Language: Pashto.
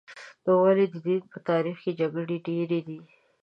نو ولې د دین په تاریخ کې جګړې ډېرې دي؟